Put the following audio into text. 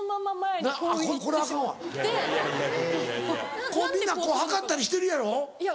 みんなこう測ったりしてるやろ？